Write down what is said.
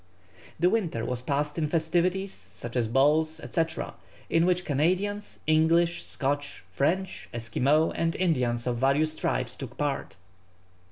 The winter was passed in festivities, such as balls, &c., in which Canadians, English, Scotch, French, Esquimaux, and Indians of various tribes took part.